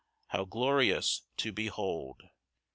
How glorious to behold!